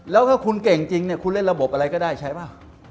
แล้วก็คุณเก่งจริงเนี่ยคุณเล่นระบบอะไรซะได้ใช่ปะ